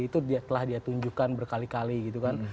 itu telah dia tunjukkan berkali kali gitu kan